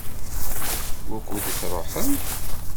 Wukud i tṛuḥem?